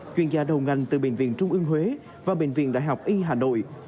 chuyên gia đầu ngành từ bệnh viện trung ương huế và bệnh viện đại học y hà nội